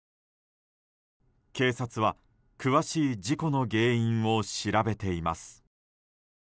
警察は詳しい事故の原因を調べています。